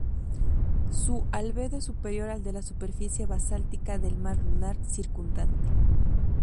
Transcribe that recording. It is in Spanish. Su albedo es superior al de la superficie basáltica del mar lunar circundante.